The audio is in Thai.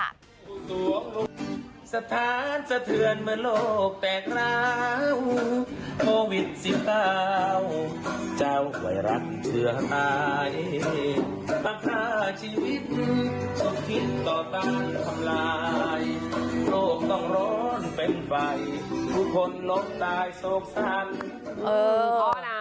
ลมตายโศกสรรเออพอแล้ว